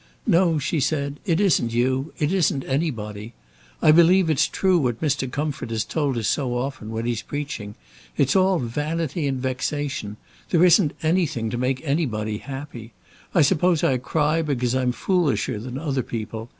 "No," she said; "it isn't you. It isn't anybody. I believe it's true what Mr. Comfort has told us so often when he's preaching. It's all vanity and vexation. There isn't anything to make anybody happy. I suppose I cry because I'm foolisher than other people.